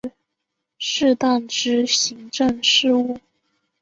适当之行政事务